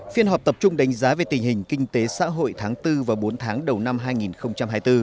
phiên họp tập trung đánh giá về tình hình kinh tế xã hội tháng bốn và bốn tháng đầu năm hai nghìn hai mươi bốn